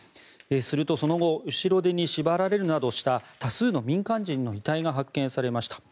すると、その後後ろ手に縛られるなどした多数の民間人の遺体が発見されました。